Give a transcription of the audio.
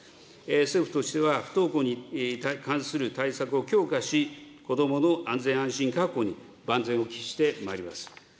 政府としては不登校に関する対策を強化し、子どもの安全安心確保に万全を期してまいります。